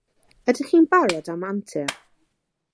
Ydych chi'n barod am antur?